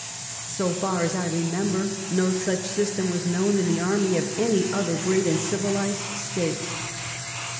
So far as I remember, no such system was know^n in the army of any other great and civilized State.